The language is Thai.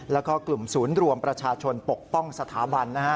แล้วก็กลุ่มศูนย์รวมประชาชนปกป้องสถาบัน